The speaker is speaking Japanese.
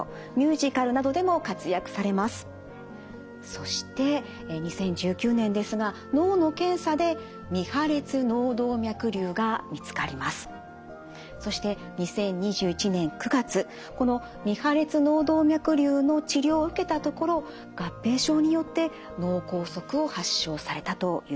そして２０１９年ですが脳の検査でそして２０２１年９月この未破裂脳動脈瘤の治療を受けたところを合併症によって脳梗塞を発症されたということです。